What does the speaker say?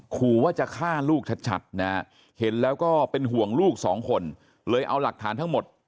ขู่ว่าจะฆ่าลูกชัดนะฮะเห็นแล้วก็เป็นห่วงลูกสองคนเลยเอาหลักฐานทั้งหมด